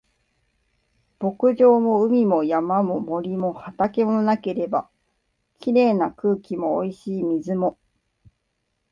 牧場も海も山も森も畑もなければ、綺麗な空気も美味しい水も